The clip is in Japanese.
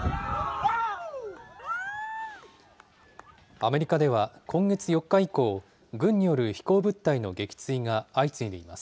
アメリカでは今月４日以降、軍による飛行物体の撃墜が相次いでいます。